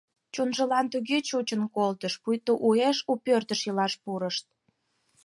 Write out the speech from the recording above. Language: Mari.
Чонжылан туге чучын колтыш, пуйто уэш у пӧртыш илаш пурыш.